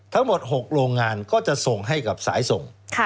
ทั้งหมด๖โรงงานก็จะส่งให้กับสายส่ง